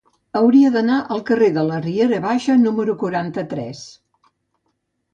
Hauria d'anar al carrer de la Riera Baixa número quaranta-tres.